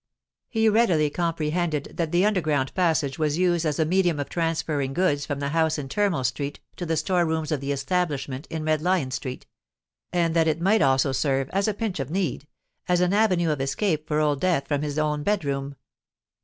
He readily comprehended that the underground passage was used as a medium of transferring goods from the house in Turnmill Street to the store rooms of the establishment in Red Lion Street; and that it might also serve, at a pinch of need, as an avenue of escape for Old Death from his own bed room.